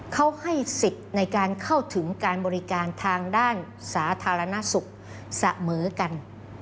เขาให้สิทธิ์ในการเข้าถึงการบริการทางด้านสาธารณสุขเสมอกัน